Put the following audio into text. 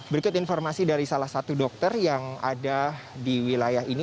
berikut informasi dari salah satu dokter yang ada di wilayah ini